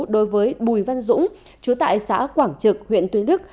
đối với bùi văn dũng chú tại xã quảng trực huyện tuy đức